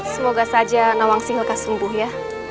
semoga saja nawangsi akan sembuh ya